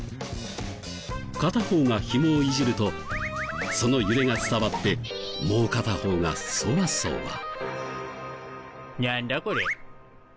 片方がひもをいじるとその揺れが伝わってもう片方がソワソワ。